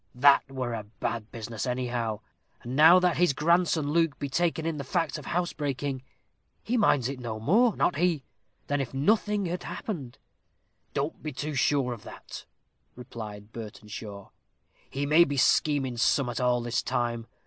That were a bad business, anyhow; and now that his grandson Luke be taken in the fact of housebreaking, he minds it no more, not he, than if nothing had happened." "Don't be too sure of that," replied Burtenshaw; "he may be scheming summat all this time.